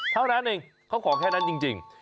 เท่านั้นเองเขาขอแค่นั้นจริง